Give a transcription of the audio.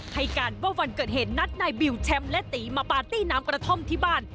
ให้การว่าวันเกิดเหตุนัดนายบิวแชมป์และตีมาปาร์ตี้น้ำกระท่อมที่บ้าน